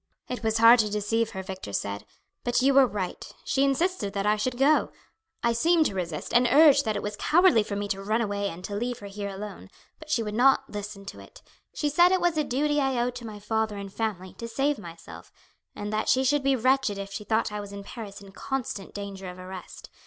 "It was hard to deceive her," Victor said; "but you were right. She insisted that I should go. I seemed to resist, and urged that it was cowardly for me to run away and to leave her here alone, but she would not listen to it. She said it was a duty I owed to my father and family to save myself, and that she should be wretched if she thought I was in Paris in constant danger of arrest.